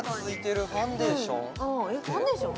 えっファンデーション？